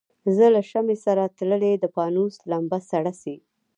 زه له شمعي سره تللی د پانوس لمبه سړه سي